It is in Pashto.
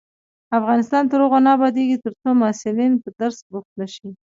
افغانستان تر هغو نه ابادیږي، ترڅو محصلین په درس بوخت نشي.